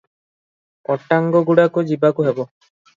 ଅଟାଙ୍ଗଗୁଡାକୁ ଯିବାକୁ ହେବ ।